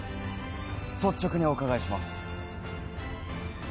率直にお伺いします。